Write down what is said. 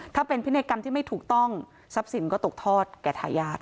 ถ้าเป็นพินัยกรรมที่ไม่ถูกต้องทรัพย์สินก็ตกทอดแก่ทายาท